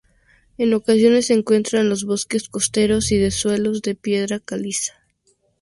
En ocasiones se encuentra en los bosques costeros y de suelos de piedra caliza.